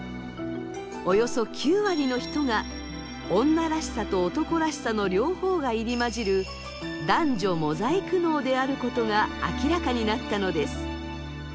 およそ９割の人が女らしさと男らしさの両方が入り交じる男女モザイク脳であることが明らかになったのです。